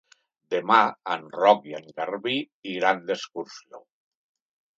Demà en Roc i en Garbí iran d'excursió.